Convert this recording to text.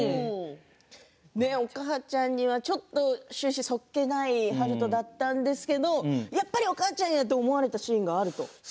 お母ちゃんにはちょっと終始そっけない悠人だったんですけどやっぱり、お母ちゃんやと思われたシーンがあると？